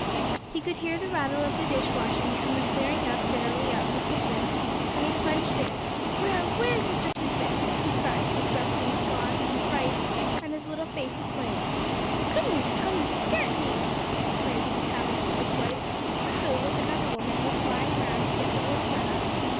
He could hear the rattle of the dish washing and the clearing up generally out in the kitchen, and he plunged in. "Where where's Mr. Tisbett?" he cried, his breath most gone, from fright, and his little face aflame. "Goodness me, how you scart me!" exclaimed the tavern keeper's wife, who, with another woman, was flying around to get the work done up.